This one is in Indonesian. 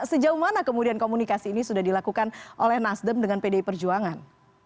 sejauh mana kemudian komunikasi ini sudah dilakukan oleh nasdem dengan pdi perjuangan